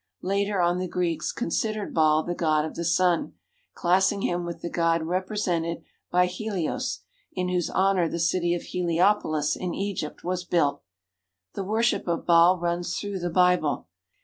Later on the Greeks considered Baal the god of the sun, classing him with the god represented by Helios, in whose honour the city of Heliopolis in Egypt was built. The worship of Baal runs through the Bible.